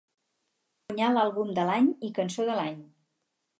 Va guanyar l'Àlbum de l'any i cançó de l'any.